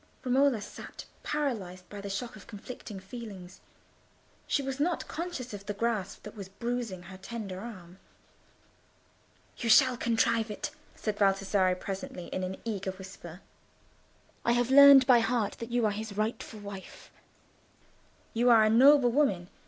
Romola sat paralysed by the shock of conflicting feelings. She was not conscious of the grasp that was bruising her tender arm. "You shall contrive it," said Baldassarre, presently, in an eager whisper. "I have learned by heart that you are his rightful wife. You are a noble woman.